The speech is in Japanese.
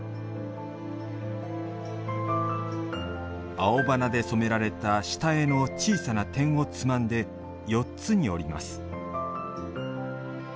青花で染められた下絵の小さな点をつまんで４つに折ります。